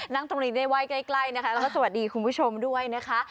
นั่งตรงนี้ได้ไหว้ใกล้นะคะแล้วก็สวัสดีคุณผู้ชมด้วยนะคะ